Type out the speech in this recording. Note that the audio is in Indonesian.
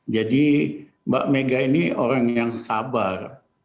jadi mbak mega ini orang yang sabar